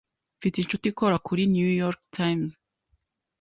Mfite inshuti ikora kuri New York Times.